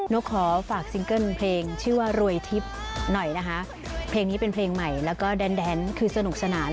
กขอฝากซิงเกิ้ลเพลงชื่อว่ารวยทิพย์หน่อยนะคะเพลงนี้เป็นเพลงใหม่แล้วก็แดนคือสนุกสนาน